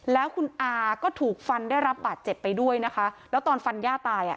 แล้วคุณอาก็ถูกฟันได้รับบาดเจ็บไปด้วยนะคะแล้วตอนฟันย่าตายอ่ะ